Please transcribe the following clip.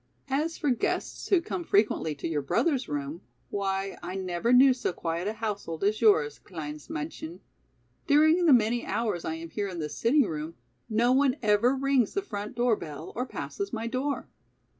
As for guests who come frequently to your brother's room, why I never knew so quiet a household as your's, kleines Madchen! During the many hours I am here in this sitting room, no one ever rings the front door bell or passes my door."